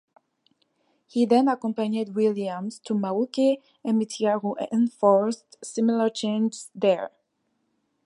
He then accompanied Williams to Mauke and Mitiaro and enforced similar changes there.